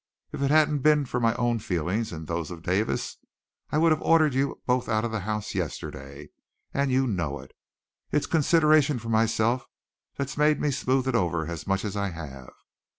If it hadn't been for my own feelings and those of Davis, I would have ordered you both out of the house yesterday and you know it. It's consideration for myself that's made me smooth it over as much as I have.